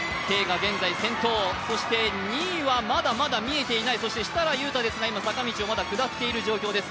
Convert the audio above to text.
２位はまだまだ見えていない、そして設楽悠太ですが、まだ坂道を下っている状況です。